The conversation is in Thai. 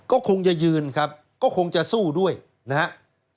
ก็คงจะยืนครับก็คงจะสู้ด้วยนะครับ